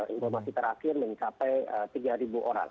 informasi terakhir mencapai tiga orang